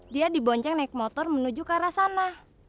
dia dibonceng naik motor menuju ke arah sana